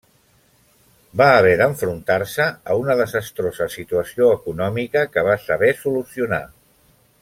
Va haver d'enfrontar-se a una desastrosa situació econòmica que va saber solucionar.